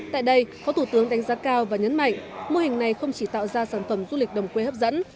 tại đây phó thủ tướng đánh giá cao và nhấn mạnh mô hình này không chỉ tạo ra sản phẩm du lịch đồng quê hấp dẫn